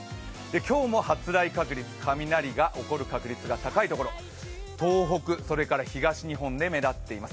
今日も発雷確率雷が起こる確率が高いところ、東北、それから東日本で目立っています。